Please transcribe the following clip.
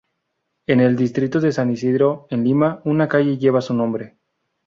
En el Distrito de San Isidro en Lima una calle lleva su nombre.